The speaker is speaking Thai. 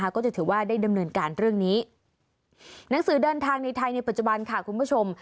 ก็จะถือว่าได้ดำเนินการเรื่องนี้หนังสือเดินทางในไทยในปัจจุบันค่ะคุณผู้ชม